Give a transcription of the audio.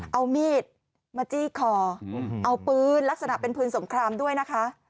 เอามีดมาจี้คอเอาปืนลักษณะเป็นปืนสงครามด้วยนะคะ